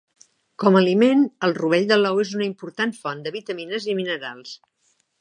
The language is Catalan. Com a aliment, el rovell de l'ou és una important font de vitamines i minerals.